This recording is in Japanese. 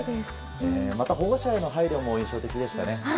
また保護者への配慮も印象的でしたね。